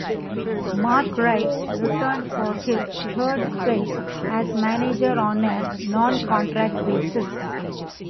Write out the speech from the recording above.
Mark Wright returned for his third spell as manager on a non-contract basis.